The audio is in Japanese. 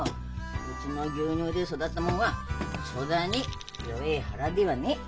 うちの牛乳で育ったもんはそだに弱え腹ではねえ。